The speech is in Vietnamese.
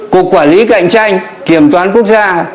cục quản lý cạnh tranh kiểm toán quốc gia